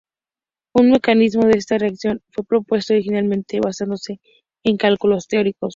Un mecanismo de esta reacción fue propuesto originalmente basándose en cálculos teóricos.